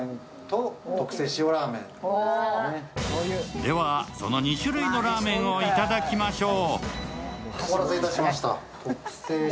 では、その２種類のラーメンをいただきましょう。